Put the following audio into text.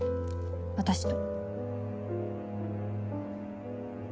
私と。